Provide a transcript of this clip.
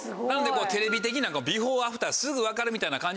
テレビ的なビフォーアフターすぐ分かるみたいな感じ